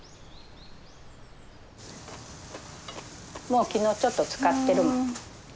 もう昨日ちょっとつかってるもん。